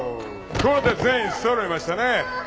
これで全員そろいましたね。